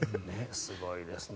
すごいですね。